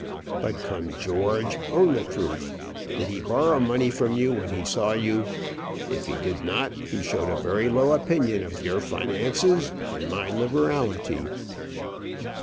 But come, George, own the truth. Did he borrow money from you when he saw you? If he did not, he showed a very low opinion of your finances and my liberality."